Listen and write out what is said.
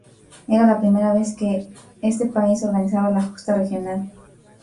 Era la primera vez que este país organizaba la justa regional.